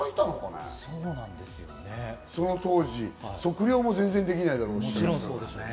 その当時、測量も全然できないだろうにね。